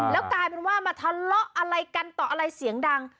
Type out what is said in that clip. แล้วกลายเป็นว่ามาทะเลาะอะไรกันต่ออะไรเสียงดัง